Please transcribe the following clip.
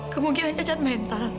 kemungkinan cacat mental